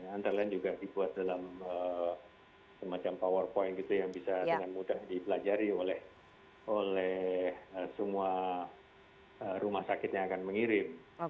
antara lain juga dibuat dalam semacam powerpoint gitu yang bisa dengan mudah dipelajari oleh semua rumah sakit yang akan mengirim